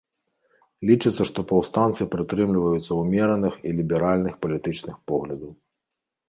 Лічыцца, што паўстанцы прытрымліваюцца ўмераных і ліберальных палітычных поглядаў.